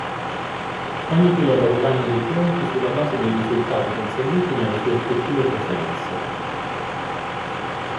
Ogni pilota guadagna dei punti sulla base dei risultati conseguiti nelle sue effettive presenze.